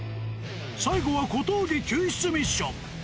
最後は小峠救出ミッション。